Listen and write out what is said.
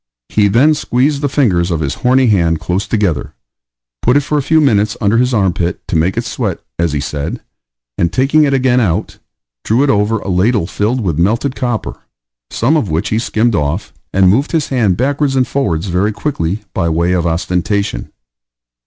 He then squeezed the fingers of his horny hand close together, put it for a few minutes under his armpit, to make it sweat, as he said; and, taking it again out, drew it over a ladle filled with melted copper, some of which he skimmed off, and moved his hand backwards and forwards, very quickly, by way of ostentation.